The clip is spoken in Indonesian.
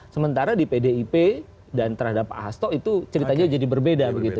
sementara di pdip dan terhadap pak hasto itu ceritanya jadi berbeda begitu